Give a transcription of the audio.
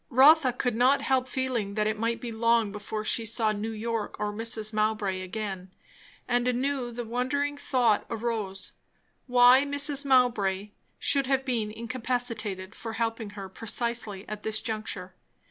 Rotha could not help feeling that it might be long before she saw New York or Mrs. Mowbray again; and anew the wondering thought arose, why Mrs. Mowbray should have been incapacitated for helping her precisely at this juncture?